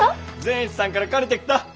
善一さんから借りてきた！